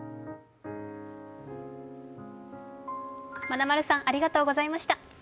まなまるさんありがとうございました。